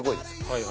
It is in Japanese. はい